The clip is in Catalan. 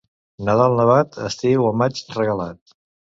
Nadal nevat, estiu o maig regalat.